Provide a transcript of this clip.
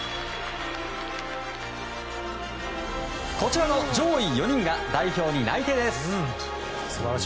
こちらの上位４人が代表に内定です。